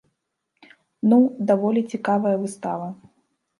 Ну, даволі цікавая выстава.